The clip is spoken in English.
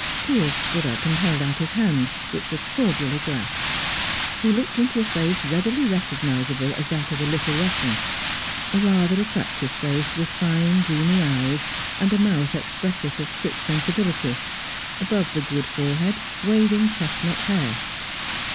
Piers stood up, and held out his hand, which was cordially grasped. He looked into a face readily recognizable as that of a Little Russian; a rather attractive face, with fine, dreamy eyes and a mouth expressive of quick sensibility; above the good forehead, waving chestnut hair.